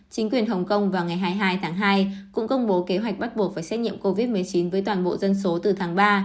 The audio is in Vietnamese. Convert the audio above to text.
chính quyền hồng kông vào ngày hai mươi hai tháng hai cũng công bố kế hoạch bắt buộc phải xét nghiệm covid một mươi chín với toàn bộ dân số từ tháng ba